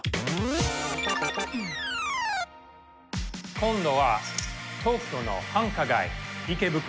今度は東京の繁華街池袋。